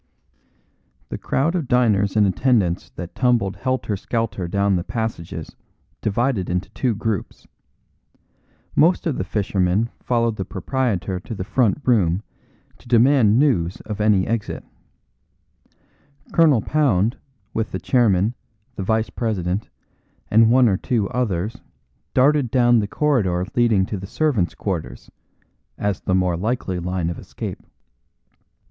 The crowd of diners and attendants that tumbled helter skelter down the passages divided into two groups. Most of the Fishermen followed the proprietor to the front room to demand news of any exit. Colonel Pound, with the chairman, the vice president, and one or two others darted down the corridor leading to the servants' quarters, as the more likely line of escape.